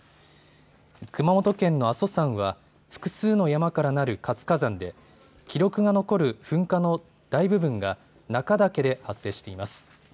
熊本県の阿蘇山は複数の山からなる活火山で記録が残る噴火の大部分が中岳で発生しています。